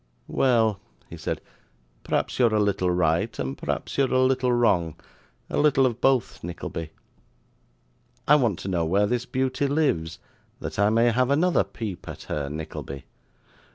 'Well,' he said, 'p'raps you're a little right, and p'raps you're a little wrong a little of both, Nickleby. I want to know where this beauty lives, that I may have another peep at her, Nickleby.